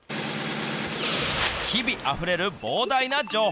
日々あふれる膨大な情報。